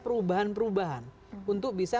perubahan perubahan untuk bisa